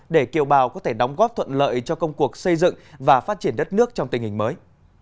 để kiều bào có thể đóng góp thuận lợi cho công cuộc xây dựng và phát triển đất nước trong tình hình mới